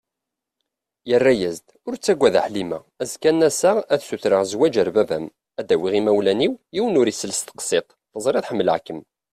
Yerra-as-d: Ur ttaggad a Ḥlima, azekka ad n-aseɣ ad sutreɣ zwaǧ ar baba-m, ad d-awiɣ imawlan-iw, yiwen ur isel tseqsiḍt, teẓriḍ ḥemmleɣ-kem.